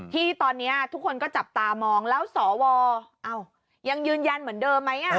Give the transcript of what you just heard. ที่ตอนนี้ทุกคนก็จับตามองแล้วสวยังยืนยันเหมือนเดิมไหม